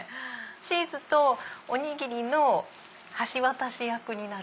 チーズとおにぎりの橋渡し役になる。